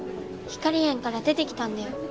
ひかり園から出てきたんだよ。